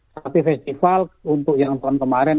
tapi festival untuk yang tahun kemarin